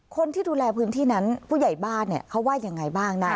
คนที่ดูแลพื้นที่นั้นผู้ใหญ่บ้านเนี่ยเขาว่ายังไงบ้างนะ